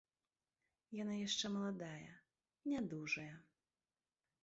Яна яшчэ маладая, нядужая.